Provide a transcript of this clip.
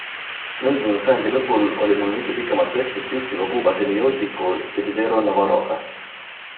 Möödunud sajandi lõpul oli mul mitu pikemat vestlust juhtiva Kuuba semiootiku Desiderio Navarroga.